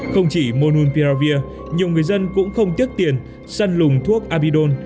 không chỉ môn nulpiravir nhiều người dân cũng không tiếc tiền săn lùng thuốc abidol